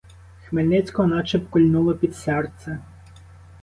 Хмельницького начеб кольнуло під серце.